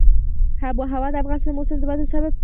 آب وهوا د افغانستان د موسم د بدلون سبب کېږي.